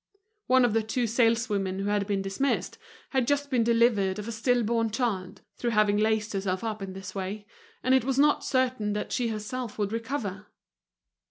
One of the two saleswomen who had been dismissed, had just been delivered of a still born child, through having laced herself up in this way; and it was not certain that she herself would recover.